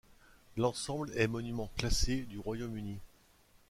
L’ensemble est Monument classé du Royaume-Uni.